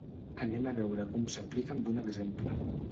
Anem a veure com s'aplica amb un exemple.